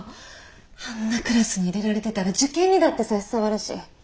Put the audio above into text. あんなクラスに入れられてたら受験にだって差し障るし。